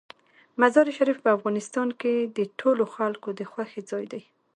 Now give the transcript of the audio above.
مزارشریف په افغانستان کې د ټولو خلکو د خوښې ځای دی.